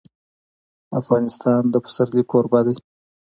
افغانستان د پسرلی کوربه دی.